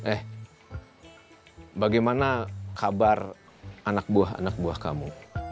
eh bagaimana kabar anak buah anak buah kamu